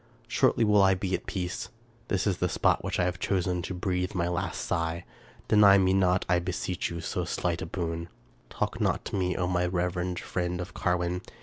Shortly will I be at peace. This is the spot which I have chosen in which to breathe my last sigh. Deny me not, I beseech you, so slight a boon. Talk not to me, O my reverend friend! of Carwin.